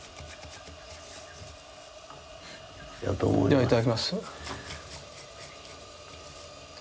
ではいただきます。